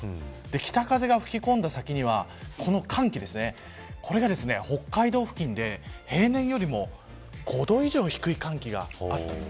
北風が吹き込んだ先には北海道付近で、平年よりも５度以上低い寒気がありました。